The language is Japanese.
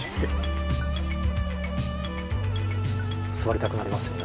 座りたくなりますよね。